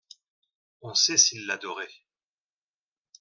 On sait s'il l'adorait.